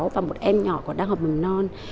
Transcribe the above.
và một em nhỏ còn đang học bằng non